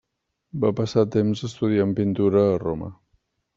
Va passar temps estudiant pintura a Roma.